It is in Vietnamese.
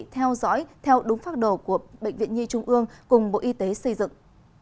theo dõi theo đúng phác đồ của bệnh viện nhi trung ương cùng bộ y tế xây dựng